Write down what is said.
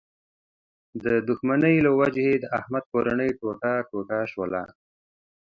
د دوښمنۍ له و جې د احمد کورنۍ ټوټه ټوټه شوله.